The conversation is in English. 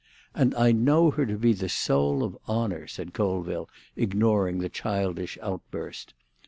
"And I know her to be the soul of honour," said Colville, ignoring the childish outburst.